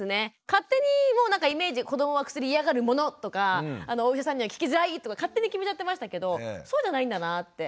勝手にもうなんかイメージ子どもは薬嫌がるものとかお医者さんには聞きづらいとか勝手に決めちゃってましたけどそうじゃないんだなって。